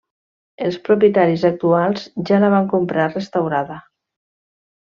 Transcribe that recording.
Els propietaris actuals ja la van comprar restaurada.